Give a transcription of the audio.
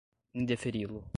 indeferi-lo